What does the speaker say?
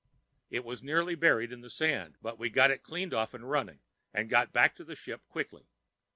It was nearly buried in sand, but we got it cleaned off and running, and got back to the ship quickly.